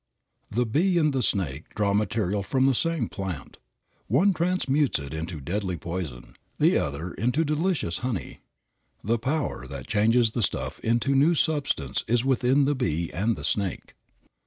The bee and the snake draw material from the same plant. The one transmutes it into deadly poison; the other into delicious honey. The power that changes the stuff into a new substance is within the bee and the snake.